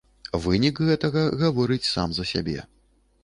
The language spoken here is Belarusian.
Вынік гэтага гаворыць сам за сябе.